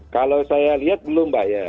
kalau saya lihat belum mbak ya